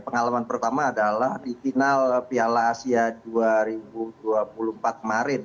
pengalaman pertama adalah di final piala asia dua ribu dua puluh empat kemarin